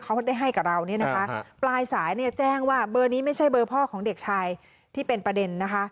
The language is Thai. เขาได้ให้กับเราเนี่ยนะคะปลายสายเนี่ยแจ้งว่าเบอร์นี้ไม่ใช่เบอร์พ่อของเด็กชายที่เป็นประเด็นนะคะ